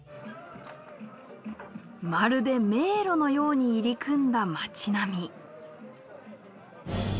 まるで迷路のように入り組んだ町並み。